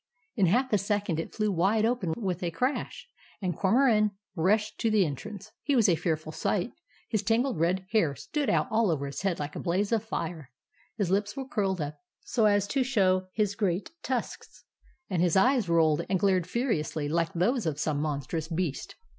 In half a second it flew wide open with a crash, and Cormoran rushed to the entrance. He was a fearful sight. His tangled red hair stood out all over his head like a blaze of fire; his lips were curled up so as to show his great tusks ; and his eyes rolled and glared furiously like those of some monstrous beast.